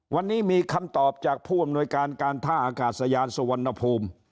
วันนี้มีคำตอบจากผู้อำนวยการการท่าอากาศยานสุวรรณภูมิ